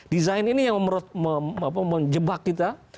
desain ini yang menjebak kita